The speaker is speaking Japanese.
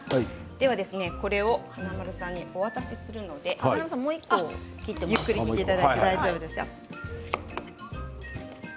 では、これを華丸さんにお渡しするのでゆっくり切っていただいて大丈夫ですよ。